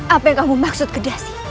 apa yang kamu maksud kedasi